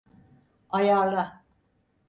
Ayarla.